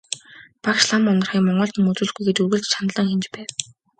Багш лам Ундрахыг монгол ном үзүүлэхгүй гэж үргэлж чандлан хянаж байв.